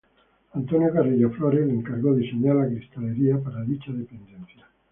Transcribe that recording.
Antonio Carrillo Flores le encargó diseñar la cristalería para dicha dependencia.